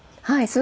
はい。